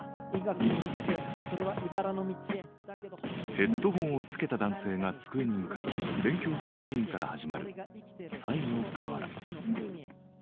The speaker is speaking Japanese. ヘッドホンを着けた男性が机に向かい勉強するシーンから始まる「ＳａｉｎｏＫａｗａｒａ」。